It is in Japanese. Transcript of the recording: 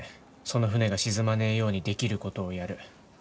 その船が沈まねえようにできることをやる。